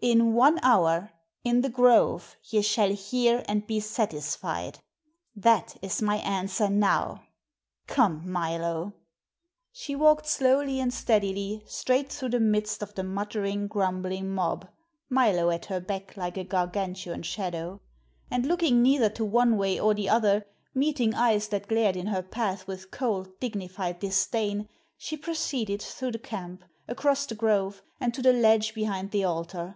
In one hour, in the grove, ye shall hear and be satisfied. That is my answer now. Come Milo." She walked slowly and steadily straight through the midst of the muttering, grumbling mob, Milo at her back like a gargantuan shadow. And looking neither to one way or the other, meeting eyes that glared in her path with cold, dignified disdain, she proceeded through the camp, across the grove, and to the ledge behind the altar.